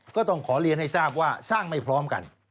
ก็ต้องขอเรียนให้ทราบว่าสร้างไม่พร้อมกัน